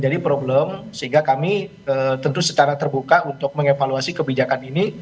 jadi problem sehingga kami tentu secara terbuka untuk mengevaluasi kebijakan ini